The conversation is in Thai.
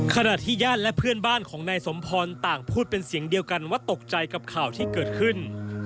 ขณะที่ญาติและเพื่อนบ้านของนายสมพรต่างพูดเป็นเสียงเดียวกันว่าตกใจกับข่าวที่เกิดขึ้น